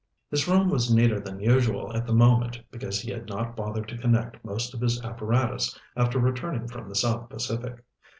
His room was neater than usual at the moment because he had not bothered to connect most of his apparatus after returning from the South Pacific.